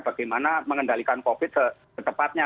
bagaimana mengendalikan covid setepatnya